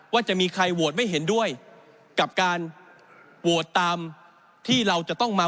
ว่าจะมีใครโหวตไม่เห็นด้วยกับการโหวตตามที่เราจะต้องมา